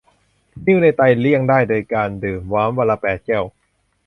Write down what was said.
นิ่วในไตหลีกเลี่ยงได้โดยการดื่มน้ำวันละแปดแก้ว